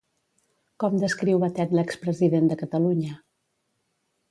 Com descriu Batet l'expresident de Catalunya?